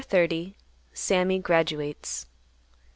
SAMMY GRADUATES.